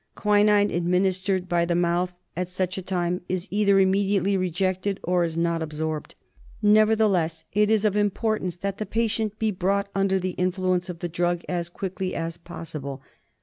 Quinine administered by the mouth at such a time is either immediately rejected or is not absorbed. Nevertheless it is of importance that the patient be brought under the influence of the drug as quickly as possible.